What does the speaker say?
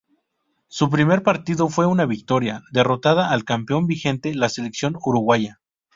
Su primer partido fue una victoria, derrotando al campeón vigente, la selección uruguaya.